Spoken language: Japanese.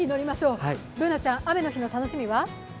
Ｂｏｏｎａちゃん、雨の日の楽しみは？